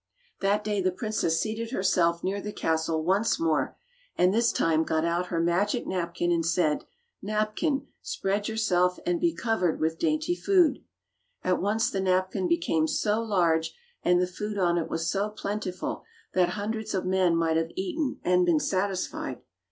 That day the princess seated herself near the castle once more, and this time got out her magic napkin, and said, " Napkin, spread yourseK and be covered with dainty food." At once the napkin became so large and the food on it was so plentiful that hundreds of men might have eaten and been satisfied.